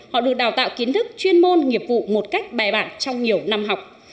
họ được đào tạo kiến thức chuyên môn nghiệp vụ một cách bài bản trong nhiều năm học